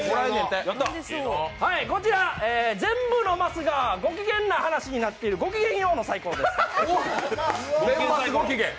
こちら、全部のマスが「ごきげん」になっている「ごきげんよう」のサイコロです。